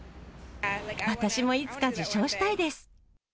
私もいつか受賞したいです。